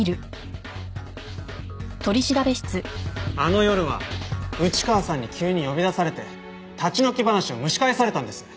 あの夜は内川さんに急に呼び出されて立ち退き話を蒸し返されたんです。